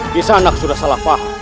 di sana aku sudah salah paham